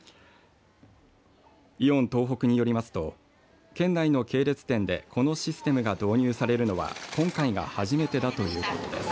イオン東北によりますと県内の系列店でこのシステムが導入されるのは今回が初めてだということです。